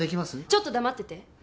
ちょっと黙ってて。